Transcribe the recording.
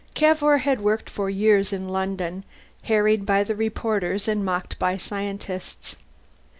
Cavour had worked for years in London, harried by reporters and mocked by scientists.